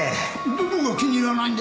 どこが気に入らないんだよ？